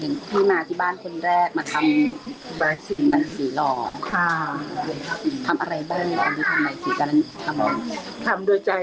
นี่มาที่บ้านคนแรกมาทำ